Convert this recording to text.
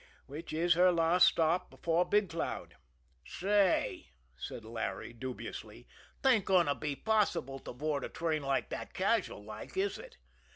which is her last stop before Big Cloud." "Say," said Larry dubiously, "'taint going to be possible to board a train like that casual like, is it?"